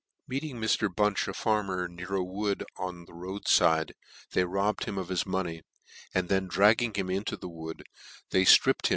Meeting Mr. Bunch, a farmer, near a wood on the road fide, they robbed him of his money, and then dragging him into the wood, they ftripped VOL.